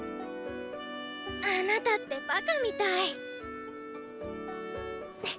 あなたってバカみたい。